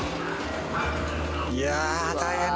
いやあ大変だ。